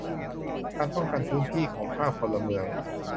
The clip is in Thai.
การป้องกันพื้นที่ของภาคพลเมือง